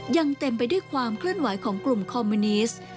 ยังเต็มไปด้วยความเคลื่อนไหวของกลุ่มคอมมิวนิสต์